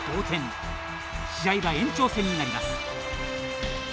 試合は延長戦になります。